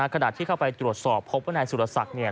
ขณะที่เข้าไปตรวจสอบพบว่านายสุรศักดิ์